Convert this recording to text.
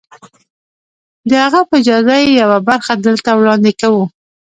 د هغه په اجازه يې يوه برخه دلته وړاندې کوو.